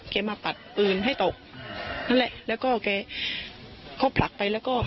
มาปัดปืนให้ตกนั่นแหละแล้วก็แกเขาผลักไปแล้วก็